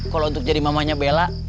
kalau untuk jadi mamanya bella